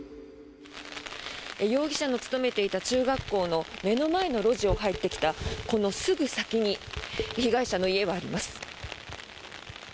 容疑者の勤めていた中学校の目の前の路地を入ってきたこのすぐ先に被害者の家はあります。